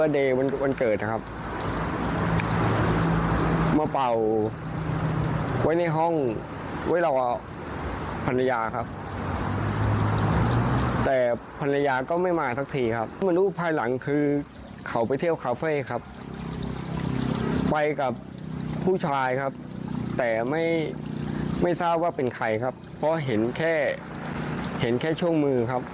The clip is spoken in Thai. แต่ไม่ทราบว่าเป็นใครครับเพราะเห็นแค่ช่วงมือครับ